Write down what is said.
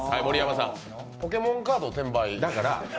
ポケモンカード転売。